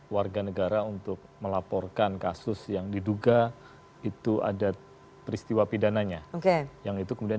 warga negara untuk melaporkan kasus yang diduga itu ada peristiwa pidananya oke yang itu kemudian